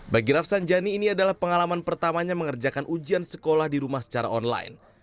bagi rafsan jani ini adalah pengalaman pertamanya mengerjakan ujian sekolah di rumah secara online